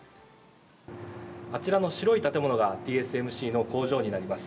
あちらの白い建物がＴＳＭＣの工場になります。